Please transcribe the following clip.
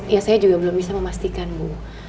ya saya juga belum bisa memastikan bu